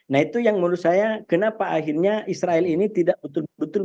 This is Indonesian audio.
nah itu yang menurut saya kenapa akhirnya israel ini tidak betul betul